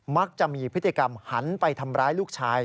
มักจะมีพฤติกรรมหันไปทำร้ายลูกชาย